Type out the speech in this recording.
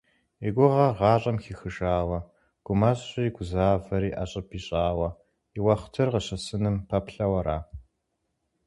И гугъэр гъащӏэм хихыжауэ, гумэщӏри гузавэри ӏэщӏыб ищӏауэ и уэхътыр къыщысыным пэплъэу ара?